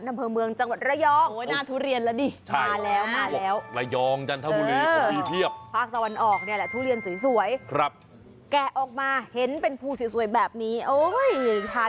ดำเพลงเมืองจังหวัดรายอง